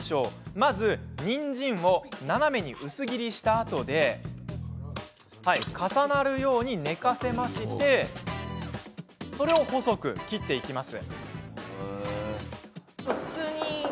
まず、にんじんを斜めに薄切りしたあとで重なるように寝かせまして細く切っていきます。